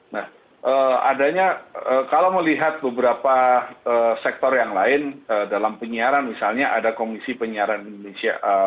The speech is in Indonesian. nah adanya kalau melihat beberapa sektor yang lain dalam penyiaran misalnya ada komisi penyiaran indonesia